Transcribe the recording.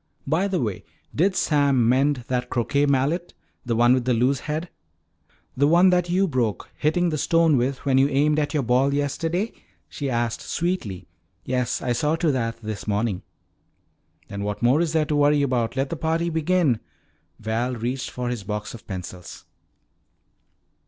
By the way, did Sam mend that croquet mallet, the one with the loose head?" "The one that you broke hitting the stone with when you aimed at your ball yesterday?" she asked sweetly. "Yes, I saw to that this morning." "Then what more is there to worry about? Let the party begin." Val reached for his box of pencils.